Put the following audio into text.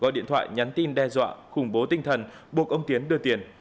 gọi điện thoại nhắn tin đe dọa khủng bố tinh thần buộc ông tiến đưa tiền